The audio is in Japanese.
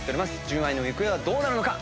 純愛の行方はどうなるのか？